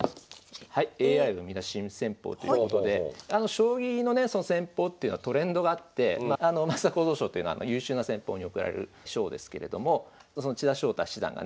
将棋のね戦法っていうのはトレンドがあって升田幸三賞っていうのは優秀な戦法に贈られる賞ですけれどもその千田翔太七段がね